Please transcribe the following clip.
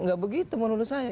nggak begitu menurut saya